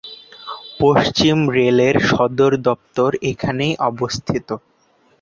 পশ্চিম রেলের সদরদপ্তর এখানেই অবস্থিত।